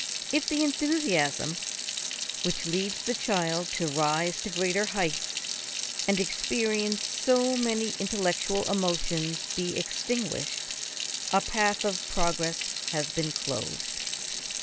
If the enthusiasm which leads the child to rise to greater heights and experience so many intellectual emotions be extinguished, a path of progress has been closed.